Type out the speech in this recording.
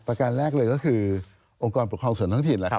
การแรกเลยก็คือองค์กรปกครองส่วนท้องถิ่น